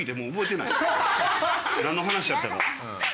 なんの話やったか。